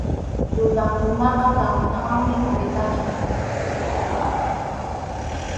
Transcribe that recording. Yuyaq runaqa tawnawanmi puriykachan.